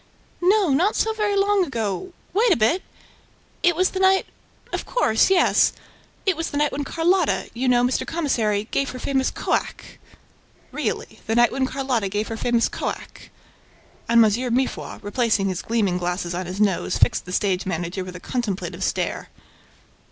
"No, not so very long ago ... Wait a bit! ... It was the night ... of course, yes ... It was the night when Carlotta you know, Mr. Commissary gave her famous 'co ack'!" "Really? The night when Carlotta gave her famous 'co ack'?" And M. Mifroid, replacing his gleaming glasses on his nose, fixed the stage manager with a contemplative stare.